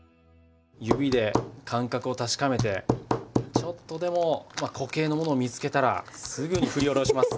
指で感覚を確かめてちょっとでも固形の物を見つけたらすぐに振り下ろします。